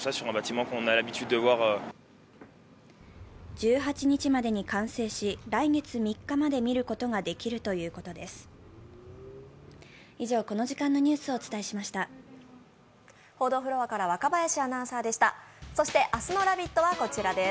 １８日までに完成し、来月３日まで見ることができるということです。